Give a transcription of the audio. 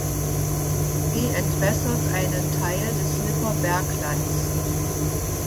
Sie entwässert einen Teil des Lipper Berglands.